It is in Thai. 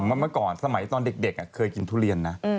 เมื่อก่อนสมัยตอนเด็กเคยกินทุเรียนนะ